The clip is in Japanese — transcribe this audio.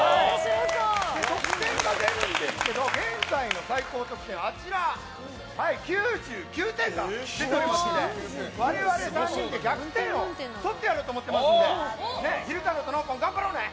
得点が出るんですけど現在の最高得点９９点ということで我々３人で１００点をとってやろうと思ってますので昼太郎とのうポン、頑張ろうね！